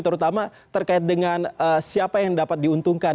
terutama terkait dengan siapa yang dapat diuntungkan